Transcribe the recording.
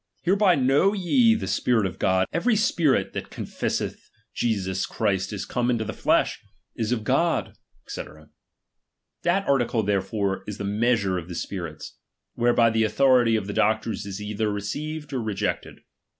Hereby know ye the spirit of God; every spirit that con fesseth Jesus Christ is come in the flesh, is of God, &c. That article therefore is the measure of chap.s the spirits, whereby the authority of the doctors is ^7^ either received, or rejected.